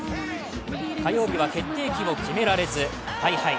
火曜日は決定機を決められず大敗。